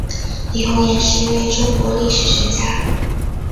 李洪岩是一位中国历史学家。